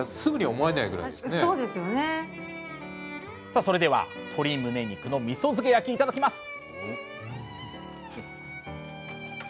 さあそれでは「鶏むね肉のみそ漬け焼き」いただきます！